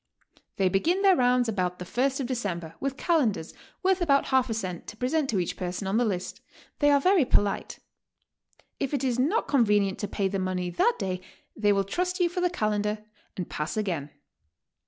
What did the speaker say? They begin their rounds about the first of De cember, with calendars, worth about half a cent, to present to each person on the list. They are very polite. If it is not convenient to pay the money that day they will trust you for the calendar and "pass again."